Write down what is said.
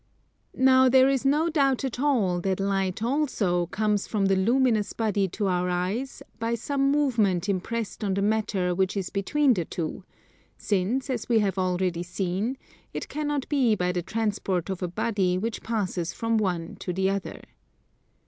Now there is no doubt at all that light also comes from the luminous body to our eyes by some movement impressed on the matter which is between the two; since, as we have already seen, it cannot be by the transport of a body which passes from one to the other.